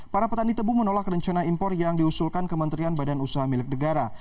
para petani tebu menolak rencana impor yang diusulkan kementerian badan usaha milik negara